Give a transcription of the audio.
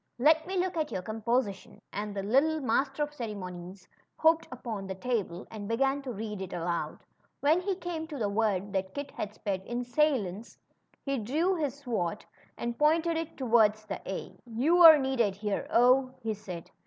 Let me look at your composition," and the lit tle Master of Ceremonies hopped upon the table and began to read it aloud. When he came to the word that Kit had spelled insolence^ he drew his sword and pointed it toward the a. You're needed here, 0," he said.